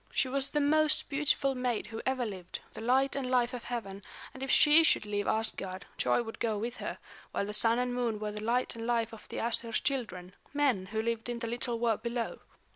She was the most beautiful maid who ever lived, the light and life of heaven, and if she should leave Asgard, joy would go with her; while the Sun and Moon were the light and life of the Æsir's children, men, who lived in the little world below.